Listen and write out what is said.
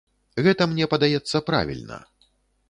Гэта, мне падаецца, правільна.